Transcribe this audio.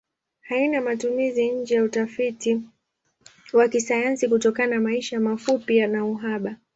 Haina matumizi nje ya utafiti wa kisayansi kutokana maisha mafupi na uhaba.